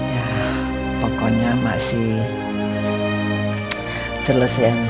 ya pokoknya masih jelasin